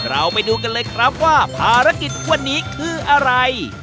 เราไปดูกันเลยครับว่าภารกิจวันนี้คืออะไร